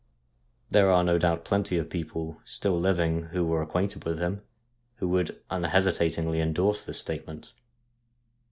There are no doubt plenty of people still living who were acquainted with him, who would unhesitatingly endorse this statement.